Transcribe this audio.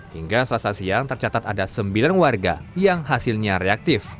hingga selasa siang tercatat ada sembilan warga yang hasilnya reaktif